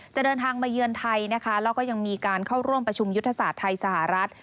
เดินทางมาเยือนไทยนะคะแล้วก็ยังมีการเข้าร่วมประชุมยุทธศาสตร์ไทยสหรัฐ